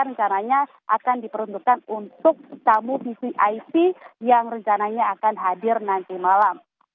rencananya akan diperuntukkan untuk tamu vvip yang rencananya akan hadir nanti malam